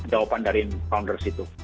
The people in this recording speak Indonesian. jawaban dari founders itu